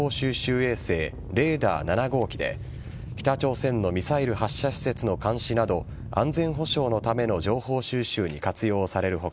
衛星レーダー７号機で北朝鮮のミサイル発射施設の監視など安全保障のための情報収集に活用される他